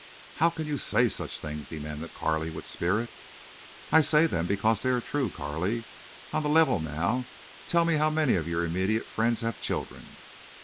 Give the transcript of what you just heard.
"How can you say such things?" demanded Carley, with spirit. "I say them because they are true. Carley, on the level now, tell me how many of your immediate friends have children."